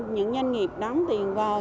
những doanh nghiệp đóng tiền vào